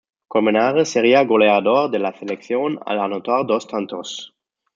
Colmenares sería goleador de la selección al anotar dos tantos.